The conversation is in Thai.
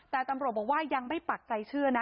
แต่ตำรวจบอกว่ายังไม่ปักใจเชื่อนะ